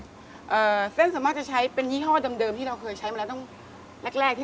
อ่าเส้นส่วนมากจะใช้เป็นยี่ห้อเดิมที่เราเคยใช้มาแล้วต้องแรกแรกที่